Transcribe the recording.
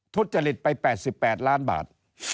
ทุจริตไป๘๘ล้านบาท